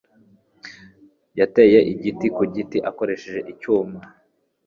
Yatemye igiti ku giti akoresheje icyuma.